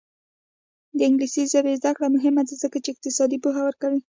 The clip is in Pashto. د انګلیسي ژبې زده کړه مهمه ده ځکه چې اقتصاد پوهه ورکوي.